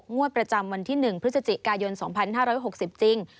งวดประจำวันที่๑พฤศจิกายน๒๕๖๐จริง